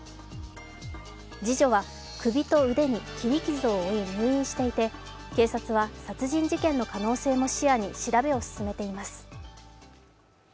次女は、首と腕に切り傷を負い、入院していて警察は殺人事件の可能性も視野に調べを進めています。